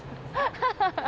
ハハハハ。